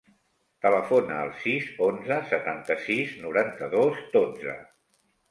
Telefona al sis, onze, setanta-sis, noranta-dos, dotze.